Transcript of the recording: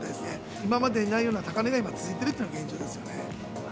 今までにないような高値が続いてるっていうのが現状ですよね。